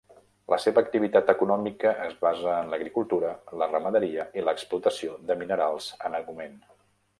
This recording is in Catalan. La seva activitat econòmica es basa en l'agricultura, la ramaderia i l'explotació de minerals en augment.